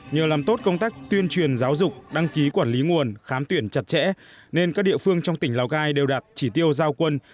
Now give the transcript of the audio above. nhờ làm tốt công tác tuyên truyền giáo dục đăng ký quản lý nguồn khám tuyển chặt chẽ nên các địa phương trong tỉnh lào cai đều đạt chỉ tiêu giao quân